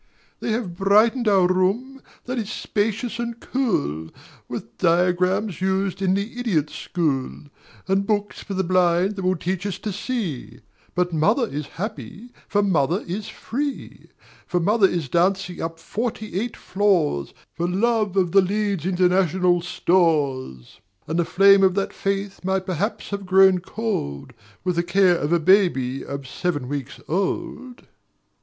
They have brightened our room, that is spacious and cool, With diagrams used in the Idiot School, And Books for the Blind that will teach us to see; But mother is happy, for mother is free. For mother is dancing up forty eight floors, For love of the Leeds International Stores, And the flame of that faith might perhaps have grown cold, With the care of a baby of seven weeks old.